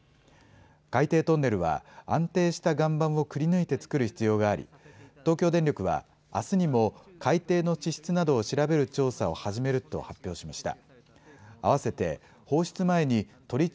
海底トンネルは、安定した岩盤をくりぬいて作る必要があり、東京電力は、あすにも海底の地質などを調べる調査を始めると発表しました。